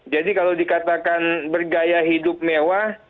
jadi kalau dikatakan bergaya hidup mewah